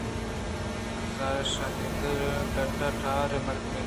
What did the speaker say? پراز ءُ شاھد ڈاٹاریں مردم اَنت